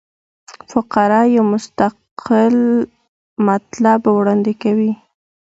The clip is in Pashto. فقره یو مستقل مطلب وړاندي کوي.